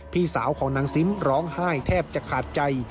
พี่สาวของนางซิมร้องไห้แทบจะขาดใจ